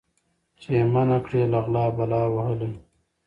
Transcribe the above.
چي یې منع کړي له غلا بلا وهلی